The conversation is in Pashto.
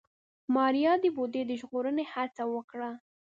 ماريا د بوډۍ د ژغورنې هڅه وکړه.